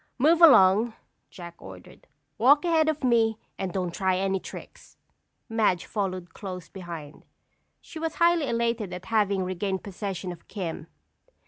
"Move along!" Jack ordered. "Walk ahead of me and don't try any tricks." Madge followed close behind. She was highly elated at having regained possession of "Kim."